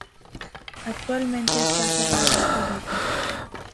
Actualmente está cerrada al público.